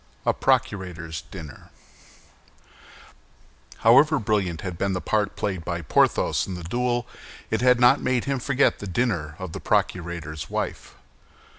A PROCURATOR'S DINNER However brilliant had been the part played by Porthos in the duel, it had not made him forget the dinner of the procurator's wife.